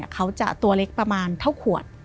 เขาจะตัวเล็กประมาณเท่าขวด